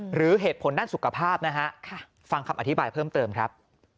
หรือเหตุผลด้านสุขภาพนะฮะฟังคำอธิบายเพิ่มเติมครับ